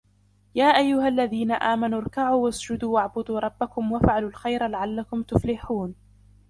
يَا أَيُّهَا الَّذِينَ آمَنُوا ارْكَعُوا وَاسْجُدُوا وَاعْبُدُوا رَبَّكُمْ وَافْعَلُوا الْخَيْرَ لَعَلَّكُمْ تُفْلِحُونَ